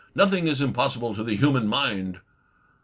Nothing is impossible to the human mind!"